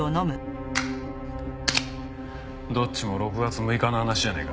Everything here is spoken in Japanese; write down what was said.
どっちも６月６日の話じゃねえか。